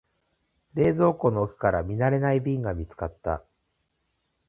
冷蔵庫の奥から見慣れない瓶が見つかった。